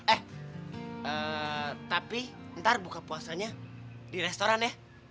eh tapi ntar buka puasanya di restoran ya